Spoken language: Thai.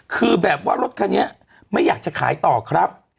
คือแบบว่ารถคันนี้ไม่อยากจะขายต่อครับ